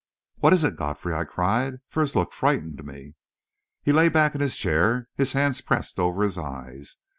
"What is it, Godfrey?" I cried, for his look frightened me. He lay back in his chair, his hands pressed over his eyes.